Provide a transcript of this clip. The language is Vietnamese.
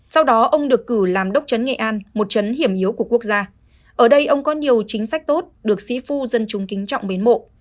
sau đó ông được cử làm đốc chấn nghệ an một chấn hiểm yếu của quốc gia ở đây ông có nhiều chính sách tốt được sĩ phu dân kính trọng mến mộ